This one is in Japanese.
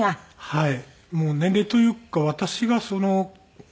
はい。